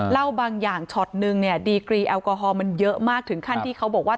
เล่าบางอย่างช็อตนึงเนี่ยดีกรีแอลกอฮอลมันเยอะมากถึงขั้นที่เขาบอกว่า